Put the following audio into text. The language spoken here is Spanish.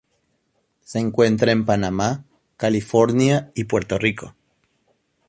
Se encuentra en Panamá, California y Puerto Rico.